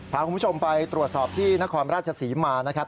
พาคุณผู้ชมไปตรวจสอบที่นครราชศรีมานะครับ